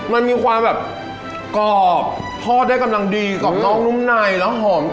มันมีความแบบกรอบทอดได้กำลังดีกรอบนอกนุ่มในแล้วหอมกลิ่นข้าวมากเลยแล้วแจ๊ดบองอร่อยป่ะ